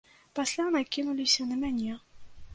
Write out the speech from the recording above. Пасля накінуліся на мяне.